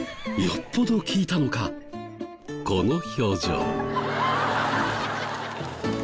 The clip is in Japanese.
よっぽど効いたのかこの表情。